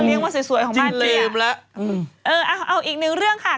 เออเลี้ยงไว้สวยสวยของบ้านเนี้ยจริงแล้วอืมเออเอาอีกหนึ่งเรื่องค่ะ